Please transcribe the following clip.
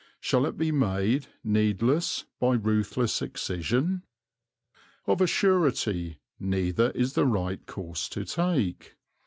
Shall it be made needless by ruthless excision? Of a surety neither is the right course to take.